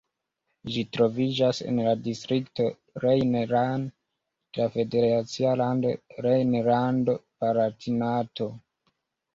Ĝi troviĝas en la distrikto Rhein-Lahn de la federacia lando Rejnlando-Palatinato.